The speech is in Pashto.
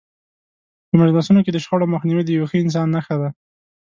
په مجلسونو کې د شخړو مخنیوی د یو ښه انسان نښه ده.